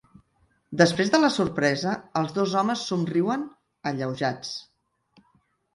Després de la sorpresa, els dos homes somriuen, alleujats.